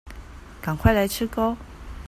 趕快來吃鉤